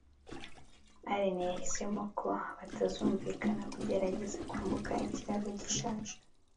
alain yahisemo ko bitazumvikana kugerageza kwambuka ikiraro gishaje